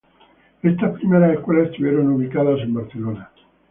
Estas primeras escuelas estuvieron ubicadas en Barcelona.